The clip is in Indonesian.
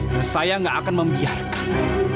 dan saya gak akan membiarkan